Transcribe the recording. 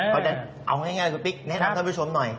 เขาจะเอาง่ายคุณปิ๊กแนะนำท่านผู้ชมหน่อย